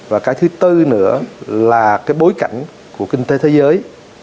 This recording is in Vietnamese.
và cái thứ tư nữa là cái bối cảnh của kinh tế thế giới